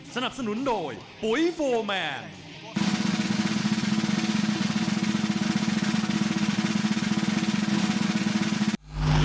สนับสนุนโดยปุ๋ยโฟร์แมน